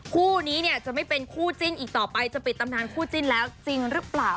คู่นี้เนี่ยจะไม่เป็นคู่จิ้นอีกต่อไปจะปิดตำนานคู่จิ้นแล้วจริงหรือเปล่า